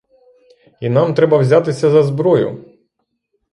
І нам треба взятися за зброю!